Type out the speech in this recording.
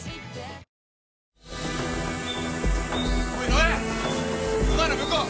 野江お前ら向こう。